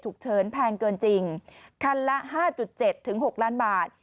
ฉุกเฉินแพงเกินจริงคันละ๕๗๖ล้านบาท